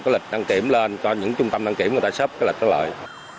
cái lịch đăng kiểm lên cho những trung tâm đăng kiểm người ta xếp cái lịch đó lại